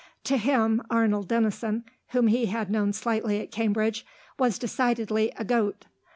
To him, Arnold Denison, whom he had known slightly at Cambridge, was decidedly a goat.